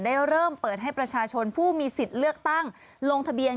ได้เริ่มเปิดให้ประชาชนผู้มีสิทธิ์เลือกตั้งลงทะเบียน